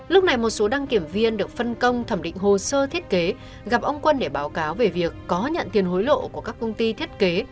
lúc này một số đăng kiểm viên được phân công thẩm định hồ sơ thiết kế gặp ông quân để báo cáo về việc có nhận tiền hối lộ của các công ty thiết kế